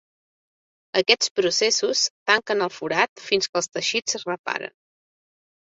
Aquests processos tanquen el forat fins que els teixits es reparen.